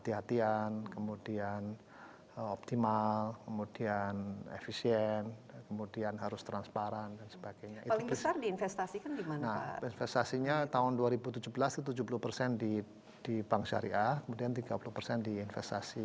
ini kenapa diganti